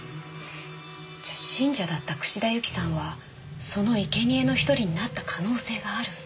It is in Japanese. じゃあ信者だった串田ユキさんはそのいけにえの１人になった可能性がある。